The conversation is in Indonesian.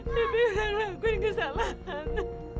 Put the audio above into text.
bibi udah ngelakuin kesalahan